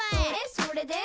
それで？」